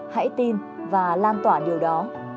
hãy tin và lan tỏa điều đó